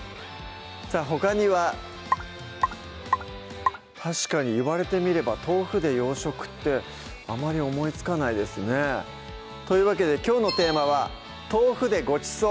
さぁほかには確かに言われてみれば豆腐で洋食ってあまり思いつかないですねというわけできょうのテーマは「豆腐でごちそう！」